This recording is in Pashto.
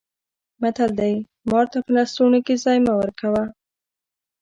متل دی: مار ته په لستوڼي کې ځای مه ورکوه.